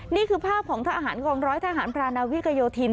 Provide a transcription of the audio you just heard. นี่คือภาพของทหารกองร้อยทหารพรานาวิกโยธิน